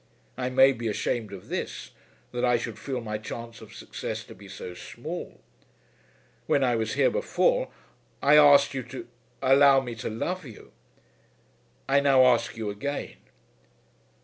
I may be ashamed of this, that I should feel my chance of success to be so small. When I was here before I asked you to allow me to love you. I now ask you again."